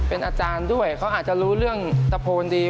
เป็นอาจารย์ด้วยเขาอาจจะรู้เรื่องตะโพนดี